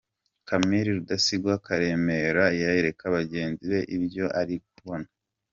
Camile Rudasingwa Karemera yereka bagenzi be ibyo ari kubona.